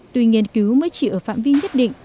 tuy nghiên cứu mới chỉ ở phạm vi nhất định